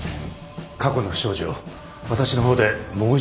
過去の不祥事を私の方でもう一度洗い直してみます。